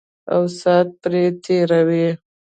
او سات پرې تېروي.